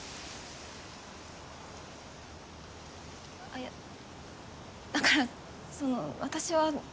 あっいやだからその私は。